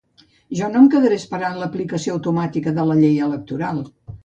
Jo no em quedaré esperant l’aplicació automàtica de la llei electoral.